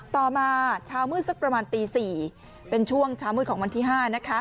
ต่อมาเช้ามืดสักประมาณตี๔เป็นช่วงเช้ามืดของวันที่๕